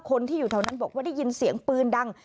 คนที่อยู่ทะวันนั่นบอกได้ยินเสียงปืนดัง